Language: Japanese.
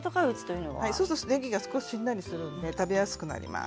ねぎが少し、しんなりするので食べやすくなります。